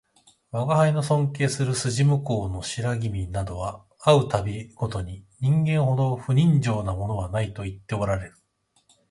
吾輩の尊敬する筋向こうの白君などは会う度毎に人間ほど不人情なものはないと言っておらるる